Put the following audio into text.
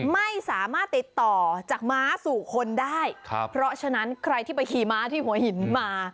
ไม่สามารถติดต่อจากม้าสู่คนได้ครับเพราะฉะนั้นใครที่ไปขี่ม้าที่หัวหินมา